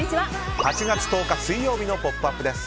８月１０日、水曜日の「ポップＵＰ！」です。